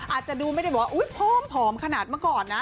อาจจะดูไม่ได้บอกว่าอุ๊ยผอมขนาดเมื่อก่อนนะ